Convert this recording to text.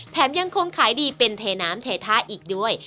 ยังคงขายดีเป็นเทน้ำเทท่าอีกด้วย